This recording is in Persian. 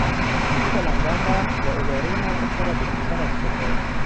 او به لندن رفت و ادارهی مدرسه را به پسرش سپرد.